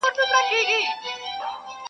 د نامردو له روز ګاره سره کار وي -